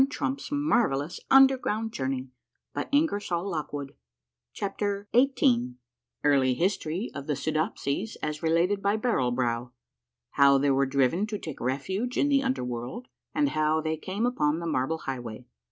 " 114 A MARVELLOUS UNDERGROUND JOURNEY CHAPTER XVIII EARLY HISTORY OF THE SOODOPSIES AS RELATED BY BARREL BROW. — HOW THEY WERE DRIVEN TO TAKE REFUGE IN THE UNDER WORLD, AND HOW THEY CAAIE UPON THE MARBLE HIGHWAY.